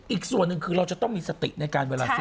อีกส่วนหนึ่งคือเราจะต้องมีสติในการซื้อตัวนี้